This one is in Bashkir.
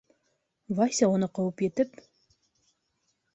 Вася, уны ҡыуып етеп: